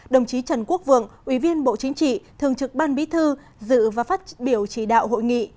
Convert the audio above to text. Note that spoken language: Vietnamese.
đồng chí trần quốc vượng ủy viên bộ chính trị thường trực ban bí thư dự và phát biểu chỉ đạo hội nghị